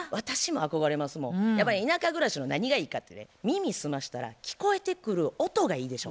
やっぱり田舎暮らしの何がいいかって耳澄ましたら聞こえてくる音がいいでしょ。